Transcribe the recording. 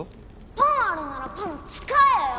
パンあるならパン使えよ。